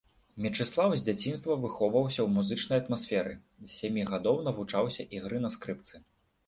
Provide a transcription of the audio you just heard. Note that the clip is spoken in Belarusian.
Мечыслаў з дзяцінства выхоўваўся ў музычнай атмасферы, з сямі гадоў навучаўся ігры на скрыпцы.